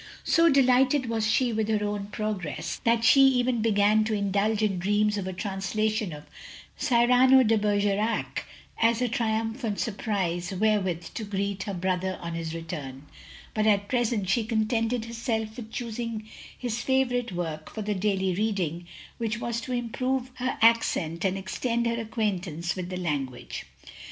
So delighted was she with her own progress that she even began to indulge in dreams of a translation of Cyrano de Bergerac, as a tri umphant surprise wherewith to greet her brother on his return; but at present she contented herself with choosing his favourite work for the daily reading which was to improve her accent and extend her acqtiaintance with the language.